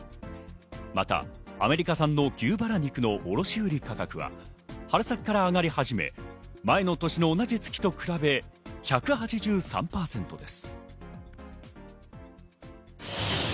またアメリカ産の牛バラ肉の卸売価格は春先から上がり始め、前の年の同じ月と比べ、１８３％です。